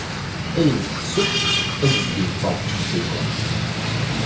Ayen i d-iseww ad as-d-yeffeɣ d ččekčuka.